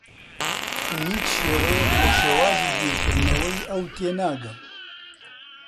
بە هیچ شێوەیەک لە شێوازی بیرکردنەوەی ئەو تێناگەم.